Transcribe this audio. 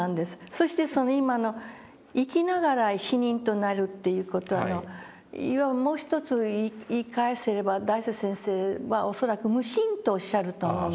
そしてその今の生きながら死人となるっていう事の要はもう一つ言いかえすれば大拙先生は恐らく「無心」とおっしゃると思うんです。